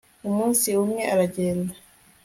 umunsi umwe aragenda